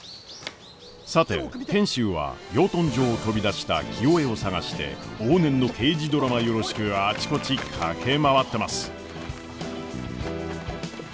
さて賢秀は養豚場を飛び出した清恵を捜して往年の刑事ドラマよろしくあちこち駆け回ってます。